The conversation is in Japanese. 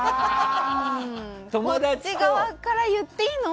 こっち側から言っていいの？